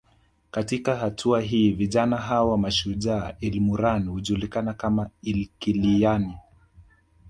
Katika hatua hii vijana hawa mashujaa ilmurran hujulikana kama Ilkiliyani